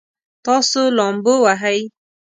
تاسو لامبو وهئ؟